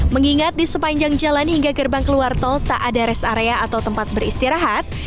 mengingat di sepanjang jalan hingga gerbang keluar tol tak ada rest area atau tempat beristirahat